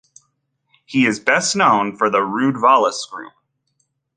He is best known for the Rudvalis group.